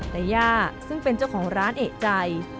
แต่ย่าซึ่งเป็นเจ้าของร้านเอกใจ